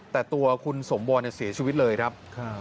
แต่ตัวคุณสมวรเสียชีวิตเลยครับ